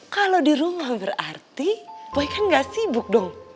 kalau di rumah berarti boy kan nggak sibuk dong